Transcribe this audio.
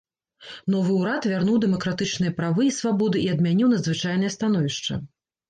Новы ўрад вярнуў дэмакратычныя правы і свабоды і адмяніў надзвычайнае становішча.